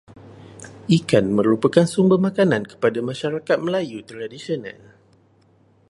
Ikan merupakan sumber makanan kepada masyarakat Melayu tradisional.